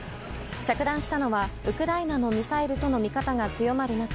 着弾したのはウクライナのミサイルとの見方が強まる中